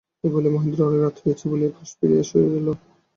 এই বলিয়া মহেন্দ্র অনেক রাত হইয়াছে বলিয়া পাশ ফিরিয়া শুইল।